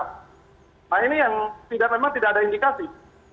nah ini yang memang tidak ada indikasi